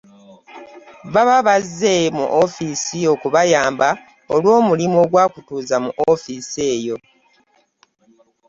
Baba bazze mu ofiisi okubayamba olw’omulimo ogwakutuuza mu ofiisi eyo.